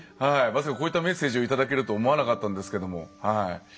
まさかこういったメッセージをいただけると思わなかったんですけども。